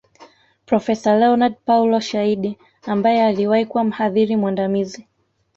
Profesa Leonard Paulo Shaidi ambaye aliwahi kuwa mhadhiri mwandamizi